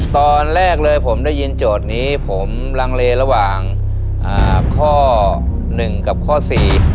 ตอนแรกเลยผมได้ยินโจทย์นี้ผมลังเลระหว่างอ่าข้อหนึ่งกับข้อสี่